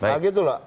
nah gitu lah